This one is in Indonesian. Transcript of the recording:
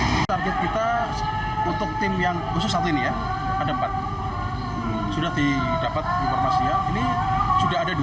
saudara yang kita cari yang s alias p ini yang s pertama sudah ada